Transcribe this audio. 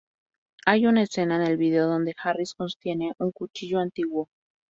Hay una escena en el vídeo donde Harris sostiene un cuchillo antiguo.